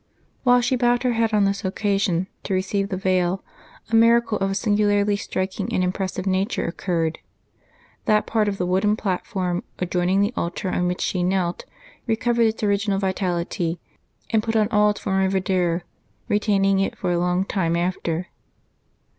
While she bowed her head on this occasion to receive the veil, a miracle of a singularly striking and impressive nature oc curred : that part of *the wooden platform adjoining the altar on which she knelt recovered its original vitality, and put on all its former verdure, retaining it for a long time after.